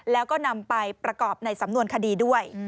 แล้วก็นำไปประกอบในสำนวนคดีด้วย